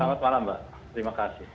selamat malam mbak terima kasih